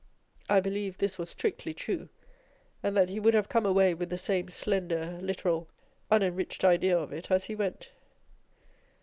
I believe this was strictly true, and that he would have come away with the same slender? literal, unenriched idea of it as he went.